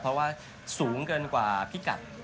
เพราะว่าสูงเกินกว่าพิกัด